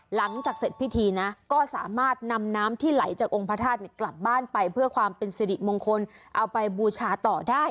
หลังจากเสร็จพิธีนะก็สามารถนำน้ำที่ไหลจากองค์พระธาตุกลับบ้านไปเพื่อความเป็นสิริมงคลเอาไปบูชาต่อได้